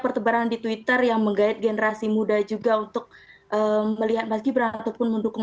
pertebaran di twitter yang menggait generasi muda juga untuk melihat mas gibran ataupun mendukung